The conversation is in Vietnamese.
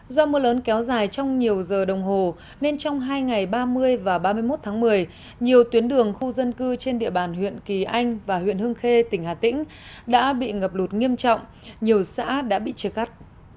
do mưa lớn kéo dài trong nhiều giờ đồng hồ nên trong hai ngày ba mươi và ba mươi một tháng một mươi nhiều tuyến đường khu dân cư trên địa bàn huyện kỳ anh và huyện hương khê tỉnh hà tĩnh đã bị ngập lụt nghiêm trọng nhiều xã đã bị chia cắt